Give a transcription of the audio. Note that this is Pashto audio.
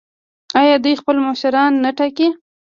آیا دوی خپل مشران نه ټاکي؟